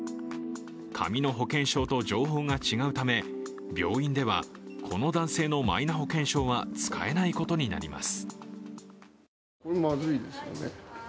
紙の保険証と情報が違うため、病院ではこの男性のマイナ保険証は使えないことになります。